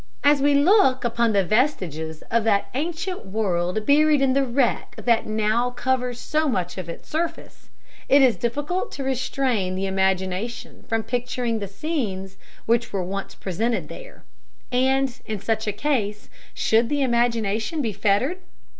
As we look upon the vestiges of that ancient world buried in the wreck that now covers so much of its surface, it is difficult to restrain the imagination from picturing the scenes which were once presented there; and, in such a case, should the imagination be fettered?